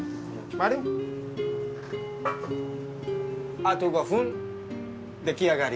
あと５分出来上がり。